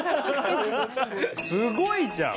すごいじゃん！